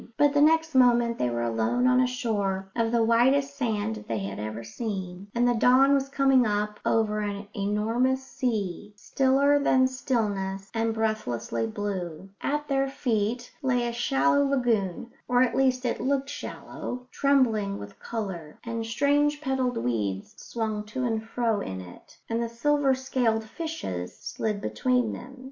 But the next moment they were alone on a shore of the whitest sand that they had ever seen, and the dawn was coming up over an enormous sea, stiller than stillness and breathlessly blue. At their feet lay a shallow lagoon or at least it looked shallow trembling with colour; and strange petalled weeds swung to and fro in it, and the silver scaled fishes slid between them.